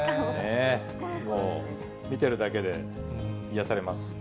見てるだけで癒やされます。